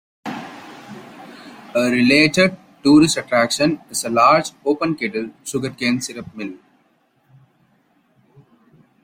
A related tourist attraction is a large open-kettle sugarcane syrup mill.